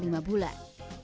selama lima bulan